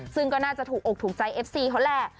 ซึ่งก็น่าจะถูกอกถูกใจเอฟซีเขาแหละ